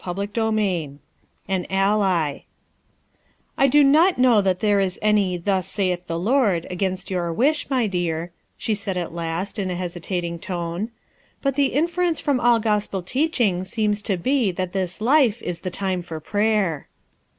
CHAPTER XXIV Atf ALLY "T DO not know that there is any 'thug ■*• saith the Lord/ against your wish, my clear/' she said at last, in a hesitating tone, "but the inference from all gospel teaching seems to be that this life is the time for prayer."